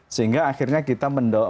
sehingga akhirnya kita mendok